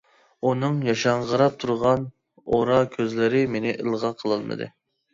ئۇنىڭ ياشاڭغىراپ تۇرغان ئورا كۆزلىرى مېنى ئىلغا قىلالمىدى.